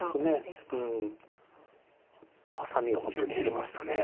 ハサミは本当に減りました。